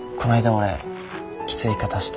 俺きつい言い方して。